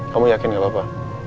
kamu yakin gak apa apa